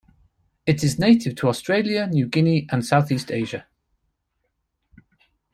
It is native to Australia, New Guinea and Southeast Asia.